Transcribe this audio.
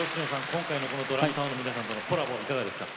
今回のＤＲＡＭＴＡＯの皆さんとのコラボいかがですか？